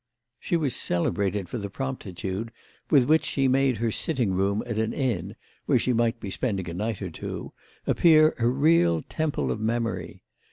She was celebrated for the promptitude with which she made her sitting room at an inn, where she might be spending a night or two, appear a real temple of memory.